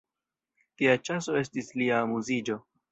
Tia ĉaso estis lia amuziĝo.